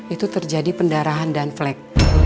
itu terjadi pendarahan dan flag